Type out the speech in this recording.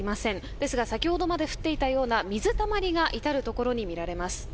ですが先ほどまで降っていたような水たまりが至る所に見られます。